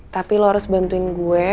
tapi lo harus bantuin gue